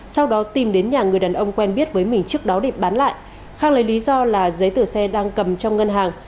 sau đó tìm đến nhà người đàn ông quen biết với mình trước đó để bán lại khang lấy lý do là giấy tờ xe đang cầm trong ngân hàng